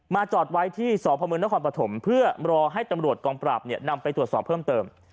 จอดไว้ที่สพมนครปฐมเพื่อรอให้ตำรวจกองปราบนำไปตรวจสอบเพิ่มเติม